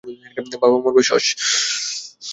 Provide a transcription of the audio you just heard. বাবা মারবে, শশশশ্।